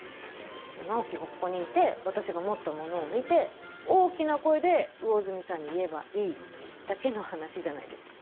直木がここにいて私が持った物を見て大きな声で魚住さんに言えばいいだけの話じゃないですか？